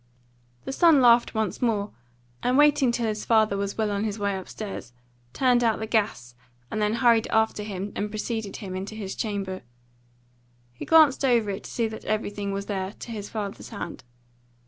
The son laughed once more, and waiting till his father was well on his way upstairs, turned out the gas and then hurried after him and preceded him into his chamber. He glanced over it to see that everything was there, to his father's hand.